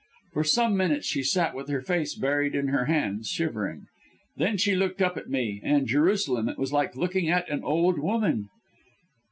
"For some minutes she sat with her face buried in her hands shivering. Then she looked up at me and Jerusalem! it was like looking at an old woman.